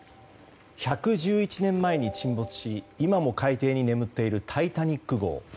１１１年前に沈没し今も海底に眠っている「タイタニック号」。